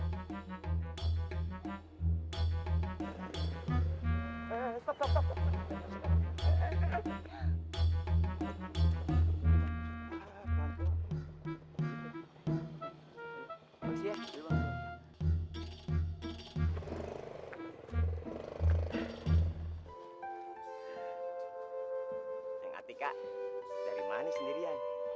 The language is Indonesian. neng atika dari mana sendiri ya